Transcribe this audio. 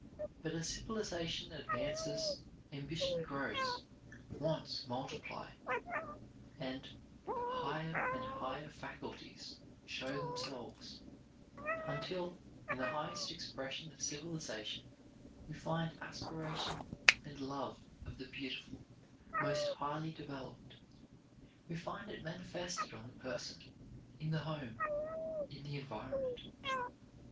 But as civilization advances ambition grows, wants multiply, and higher and higher faculties show themselves, until in the highest expression of civilization, we find aspiration and love of the beautiful most highly developed. We find it manifested on the person, in the home, in the environment.